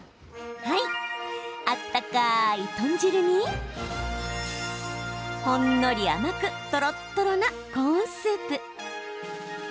温かい豚汁にほんのり甘くとろっとろなコーンスープ。